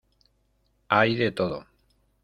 hay de todo.